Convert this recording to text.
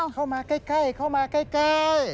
เข้ามาใกล้เข้ามาใกล้